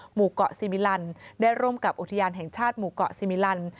หมู่เกาะซีมิลันได้ร่วมกับอุทยานแห่งชาติหมู่เกาะซีมิลัน